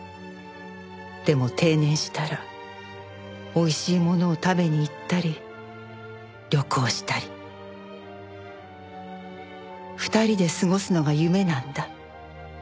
「でも定年したらおいしいものを食べにいったり旅行したり二人で過ごすのが夢なんだ」